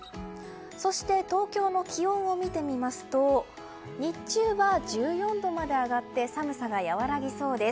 そして東京の気温を見てみますと日中は１４度まで上がって寒さが和らぎそうです。